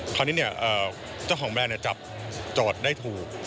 คราวนี้เจ้าของแบรนด์จับโจทย์ได้ถูก